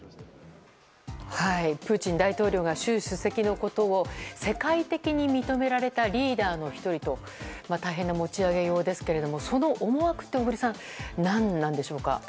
プーチン大統領が習主席のことを世界的に認められたリーダーの１人と大変な持ち上げようですけどその思惑って小栗さん、何なんでしょうか。